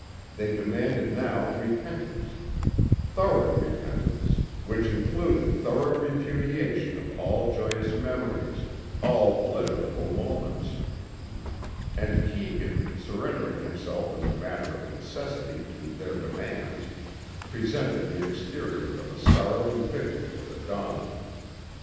They demanded now repentance, thorough repentance which included thorough repudiation of all joyous memories, all pleasurable moments. And Keegan, surrendering himself as a matter of necessity to their demands presented the exterior of a sorrowing victim to the dawn.